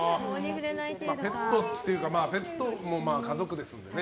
ペットっていうかペットも家族ですもんね。